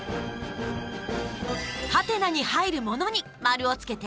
「？」に入るものに丸をつけて。